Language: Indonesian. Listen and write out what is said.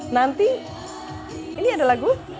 nanti ini ada lagu